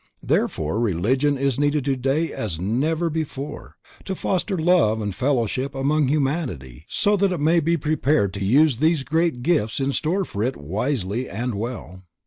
Therefore religion is needed today as never before, to foster love and fellow feeling among humanity so that it may be prepared to use the great gifts in store for it wisely and well.